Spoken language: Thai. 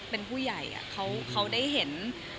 เป็นผู้ใหญ่เขาได้เห็น